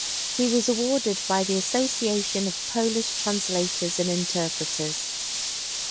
He was awarded by the Association of Polish Translators and Interpreters.